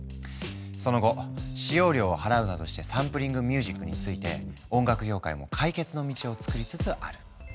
その後使用料を払うなどしてサンプリングミュージックについて音楽業界も解決の道を作りつつある。